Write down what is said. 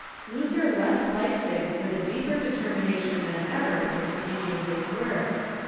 Luther left Leipzig with a deeper determination than ever to continue his work.